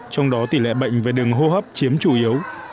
trong đó tỷ lệ bệnh về đường hô hấp chiếm chủ yếu